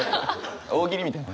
大喜利みたいな。